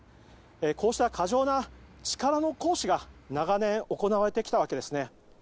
こうした過剰な力の行使が長年行われてきたわけですね。